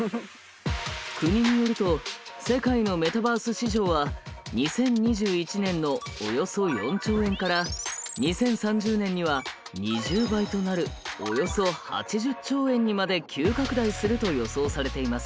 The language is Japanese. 国によると世界のメタバース市場は２０２１年のおよそ４兆円から２０３０年には２０倍となるおよそ８０兆円にまで急拡大すると予想されています。